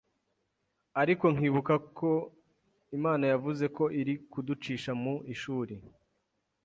ariko nkibukako Imana yavuze ko iri kuducisha mu ishuri